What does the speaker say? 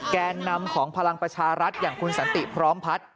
แกนนำของพลังประชารัฐอย่างคุณสันติพร้อมพัฒน์